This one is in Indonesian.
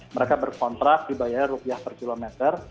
mereka berkontrak dibayar rupiah per kilometer